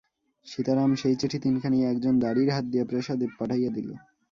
সীতারাম সেই চিঠি তিনখানি এক জন দাঁড়ির হাত দিয়া প্রাসাদে পাঠাইয়া দিল।